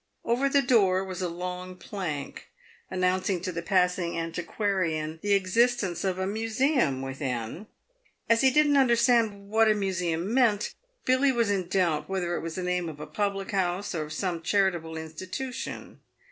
Over the door was a long plank, announcing to the passing antiquarian the existence of a museum within. As he didn't understand what a museum meant, Billy was in doubt whether it was the name of a public house, or of some charitable institution.